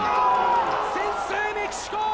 先制メキシコ！